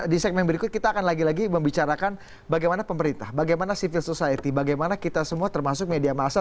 di segmen berikut kita akan lagi lagi membicarakan bagaimana pemerintah bagaimana civil society bagaimana kita semua termasuk media massa